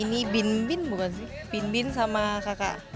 ini bin bin bukan sih bin bin sama kakak